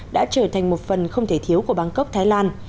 đã trở thành một phần không thể thiếu của bangkok thái lan